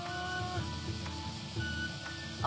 あ。